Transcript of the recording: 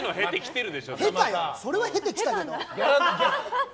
それは経てきたけど！